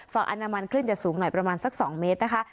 อนามันคลื่นจะสูงหน่อยประมาณสัก๒เมตรนะคะ